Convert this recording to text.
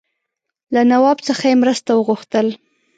له نواب څخه یې مرسته وغوښتل.